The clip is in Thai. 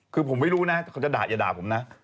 คือผมไม่รู้นะเค้าจะด่าเดี๋ยวค่ะ